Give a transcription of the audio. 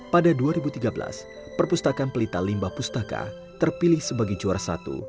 pada dua ribu tiga belas perpustakaan pelita limbah pustaka terpilih sebagai juara satu